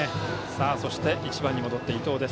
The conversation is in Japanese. そして、１番に戻って伊藤。